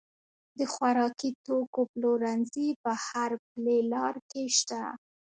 د خوراکي توکو پلورنځي په هر پلې لار کې شته.